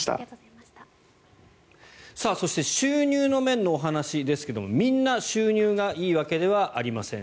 そして収入の面の話ですがみんな収入がいいわけではありません。